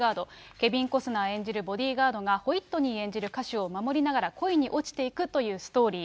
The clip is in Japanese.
ケビン・コスナー演じるボディガードがホイットニー演じる歌手を守りながら恋に落ちていくというストーリー。